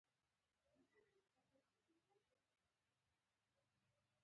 له ټولو سلاکارانو او افسرانو سره یې مشورې وکړې.